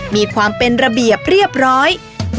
มีความเป็นระเบียบเรียบร้อย